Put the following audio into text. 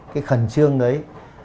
cái khẩn trương đấy